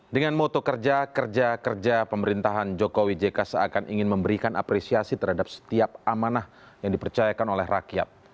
dengan moto kerja kerja pemerintahan jokowi jk seakan ingin memberikan apresiasi terhadap setiap amanah yang dipercayakan oleh rakyat